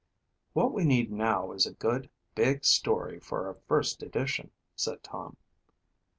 "What we need now is a good, big story for our first edition," said Tom.